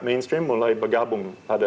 mainstream mulai bergabung pada